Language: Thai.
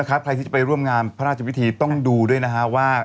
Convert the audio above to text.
ใครที่จะไปร่วมงามพระราชวิธีจะดูด้วยว่า